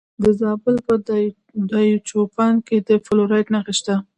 د زابل په دایچوپان کې د فلورایټ نښې شته.